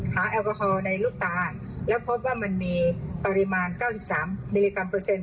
แอลกอฮอล์ในลูกตาแล้วพบว่ามันมีปริมาณ๙๓มิลลิกรัมเปอร์เซ็นต